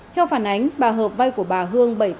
theo phản ánh bà hợp vay của bà hương